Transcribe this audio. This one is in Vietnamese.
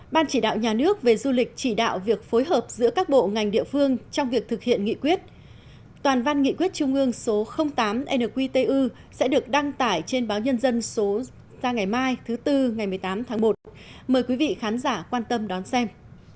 ban chỉ đạo nhà nước về du lịch chỉ đạo việc phối hợp giữa các bộ ngành địa phương trong việc thực hiện nghị quyết toàn văn nghị quyết trung ương số tám nqtu sẽ được đăng tải trên báo nhân dân số ra ngày mai thứ tư ngày một mươi tám tháng một mời quý vị khán giả quan tâm đón xem